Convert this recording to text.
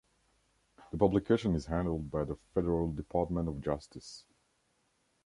The publication is handled by the Federal Department of Justice.